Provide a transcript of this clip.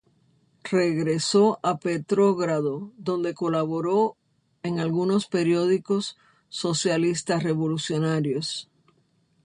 Regresó a Petrogrado donde colaboró en algunos periódicos socialista-revolucionarios.